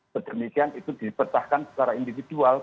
sedemikian itu dipecahkan secara individual